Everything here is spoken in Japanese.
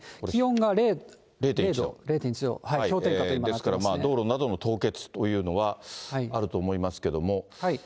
気温が０度、０．１度、氷点下に今、ですからまあ、道路などの凍結というのは、あると思いますけども。